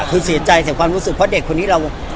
คือเสียใจเสียความรู้สึกเพราะเด็กคนนี้เรา